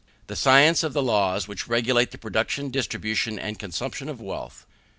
"The science of the laws which regulate the production, distribution, and consumption of wealth."